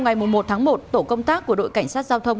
ngày một tháng một tổ công tác của đội cảnh sát giao thông